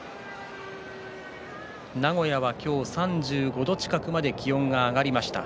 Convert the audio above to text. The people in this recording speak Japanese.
名古屋は今日、３５度近くまで気温が上がりました。